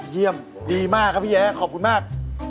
เยี่ยมดีมากครับพี่แย้ขอบคุณมาก